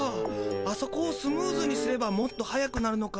あそこをスムーズにすればもっと速くなるのか。